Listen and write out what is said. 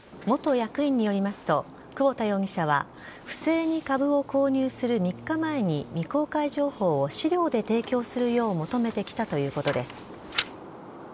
元役員によりますと、久保田容疑者は不正に株を購入する３日前に、未公開情報を資料で提供するよう求めてきたということです。